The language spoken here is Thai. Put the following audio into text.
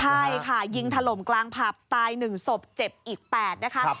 ใช่ค่ะยิงทะลมกลางผับตายหนึ่งศพเจ็บอีก๘นะครับ